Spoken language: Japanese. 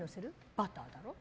バターだろ。